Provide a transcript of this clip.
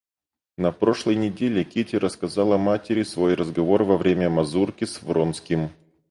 На прошлой неделе Кити рассказала матери свой разговор во время мазурки с Вронским.